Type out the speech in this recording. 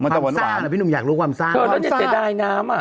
ความซ่าพี่นุมอยากรู้ความซ่า